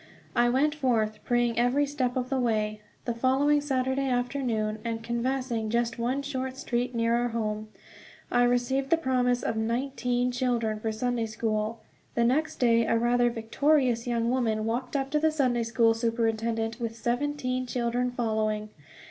I went forth praying every step of the way, the following Saturday afternoon; and canvassing just one short street near our home, I received the promise of nineteen children for Sunday school. The next day a rather victorious young woman walked up to the Sunday school superintendent with seventeen children following.